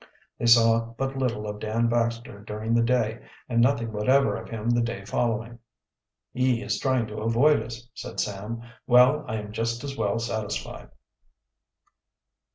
They saw but little of Dan Baxter during the day and nothing whatever of him the day following. "He is trying to avoid us," said Sam. "Well, I am just as well satisfied."